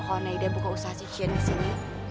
kalau neda buka usaha cucian disini